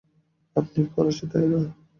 আপনি ফরাসি, তাই না?